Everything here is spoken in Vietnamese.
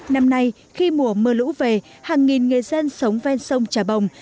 năm nay khi mùa mưa lũ về hàng nghìn người dân sống ven sông trà bồng